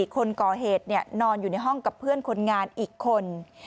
คนก่อเหตุนอนอยู่ในห้องกับเพื่อนคนงานอีกคน